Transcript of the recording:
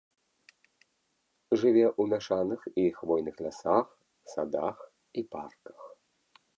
Жыве ў мяшаных і хвойных лясах, садах і парках.